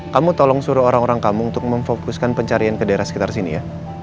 kamu tolong suruh orang orang kamu untuk memfokuskan pencarian ke daerah sekitar sini ya